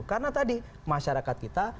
karena tadi masyarakat kita